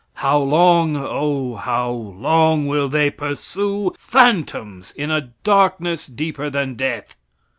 How long, O how long, will they pursue phantoms in a darkness deeper than death?